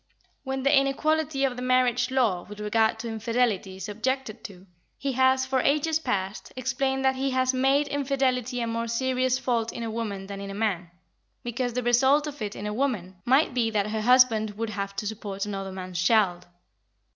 When the inequality of the marriage law with regard to infidelity is objected to, he has, for ages past, explained that he has made infidelity a more serious fault in a woman than in a man, because the result of it in a woman might be that her husband would have to support another man's child.